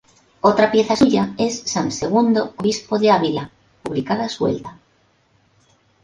Otra pieza suya es "San Segundo, obispo de Ávila", publicada suelta.